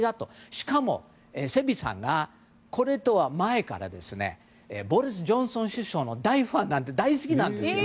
しかも、セビーさんがこれとは前からボリス・ジョンソン首相の大ファンで大好きなんですよ。